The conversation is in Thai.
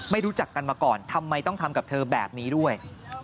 รู้จักกันมาก่อนทำไมต้องทำกับเธอแบบนี้ด้วย